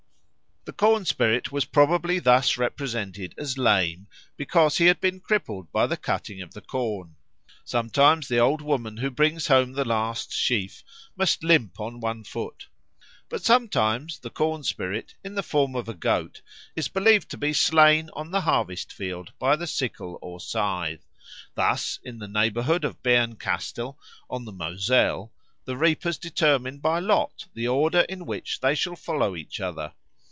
The corn spirit was probably thus represented as lame because he had been crippled by the cutting of the corn. Sometimes the old woman who brings home the last sheaf must limp on one foot. But sometimes the corn spirit, in the form of a goat, is believed to be slain on the harvest field by the sickle or scythe. Thus, in the neighbourhood of Bernkastel, on the Moselle, the reapers determine by lot the order in which they shall follow each other.